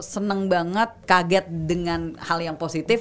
sangat kaget dengan hal yang positif